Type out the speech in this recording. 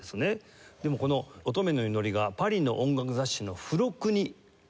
でもこの『乙女の祈り』がパリの音楽雑誌の付録に掲載された。